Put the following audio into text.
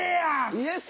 イエヤス。